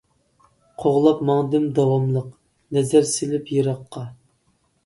قوغلاپ ماڭدىم داۋاملىق، نەزەر سېلىپ يىراققا.